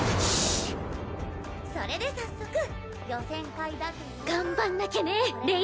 それで早速予選会だけど頑張んなきゃねレイ